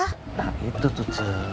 nah itu tuh cik